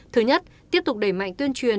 thứ nhất tiếp tục đẩy mạnh tuyên truyền